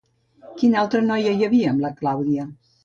Quina altra noia hi havia amb la Clàudia?